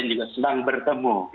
dan ini juga senang bertemu